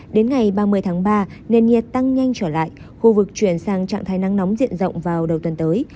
đến ngày ba mươi tháng ba nền nhiệt tăng nhanh trở lại khu vực chuyển sang trạng thái nắng nóng diện rộng vào đầu tuần tới